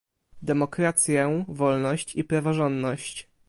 demokrację, wolność i praworządność